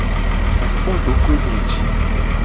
Mu kpo dokoe nye ji.